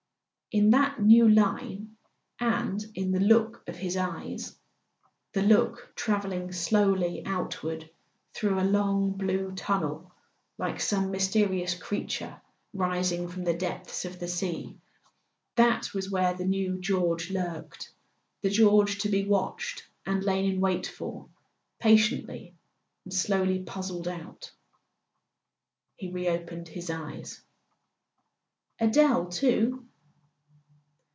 In that new line, and in the look of his eyes—the look travelling slowly outward through a long blue tunnel, like some mysterious creature rising from the depths of the sea—that was where the new George lurked, the George to be watched and lain in wait for, patiently and slowly puzzled out. .. He reopened his eyes. "Adele too?"